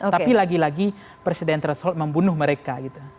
tapi lagi lagi presiden threshold membunuh mereka